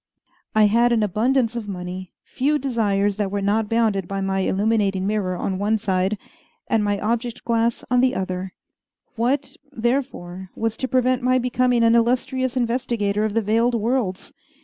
I had an abundance of money, few desires that were not bounded by my illuminating mirror on one side and my object glass on the other; what, therefore, was to prevent my becoming an illustrious investigator of the veiled worlds?